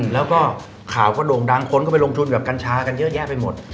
แล้วก็ข่าวก็โด่งดังคนก็ไปลงทุนกับกัญชากันเยอะแยะไปหมด